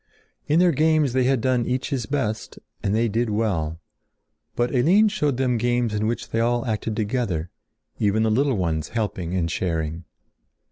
In their games they had done each his best and they did well. But Eline showed them games in which they all acted together, even the little ones helping and sharing.